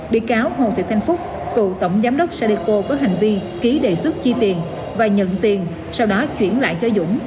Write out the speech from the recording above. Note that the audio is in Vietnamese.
bị cáo hồ thị thanh phúc cựu tổng giám đốc sadeco có hành vi ký đề xuất chi tiền và nhận tiền sau đó chuyển lại cho dũng